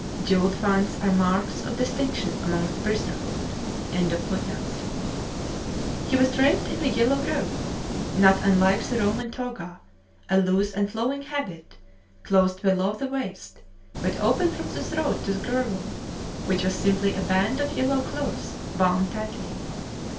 Jewelled fans are marks of distinction among the priesthood.] He was draped in a yellow robe, not unlike the Roman toga, a loose and flowing habit, closed below the waist, but open from the throat to the girdle, which was simply a band of yellow cloth, bound tightly.